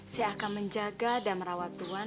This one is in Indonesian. saya akan menjaga dan merawat tuhan